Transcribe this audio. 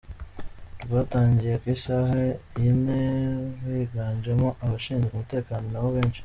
Rwatangiye ku isaa yine rwiganjemo abashinzwe umutekano na bo benshi.